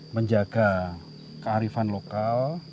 menjaga kearifan lokal